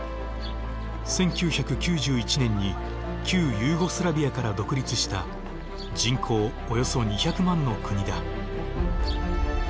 １９９１年に旧ユーゴスラビアから独立した人口およそ２００万の国だ。